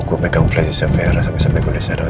gue pegang flash di servera sampai sampai gue diserang